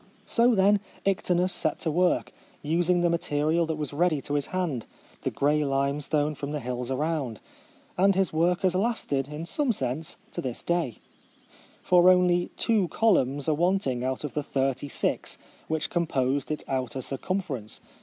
So, then, Iktinus set to work, using the material that was ready to his hand — the grey limestone from the hills around — and his work has lasted, in some sense, to this day ; for only two columns are wanting out of the thirty six which com posed its outer circumference.